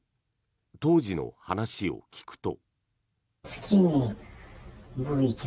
当時の話を聞くと。